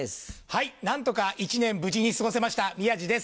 何とか１年無事に過ごせました宮治です